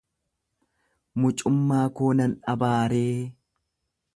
Mucummaa koo nan dhabaaree?